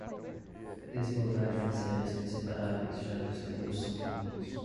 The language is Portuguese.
Desigualdade e miséria são inseparáveis, já que os recursos são finitos